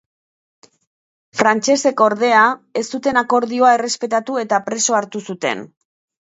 Frantsesek, ordea, ez zuten akordioa errespetatu eta preso hartu zuten.